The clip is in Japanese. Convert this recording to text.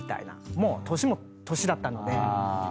もう年も年だったので。